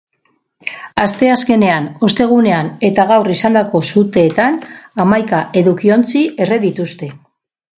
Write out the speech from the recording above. Asteazkenean, ostegunean eta gaur izandako suteetan hamaika edukiontzi erre dituzte.